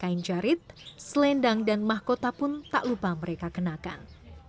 kain jarit selendang dan mahkota pun tak lupa mereka kenakan